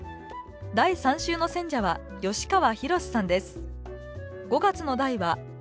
第３週の選者は吉川宏志さんです